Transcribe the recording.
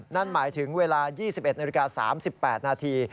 นั่นหมายถึงเวลา๒๑นาฬิกา๓๘นาที